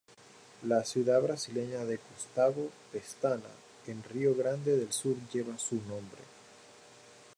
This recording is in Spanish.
La ciudad brasileña de Augusto Pestana, en Río Grande del Sur, lleva su nombre.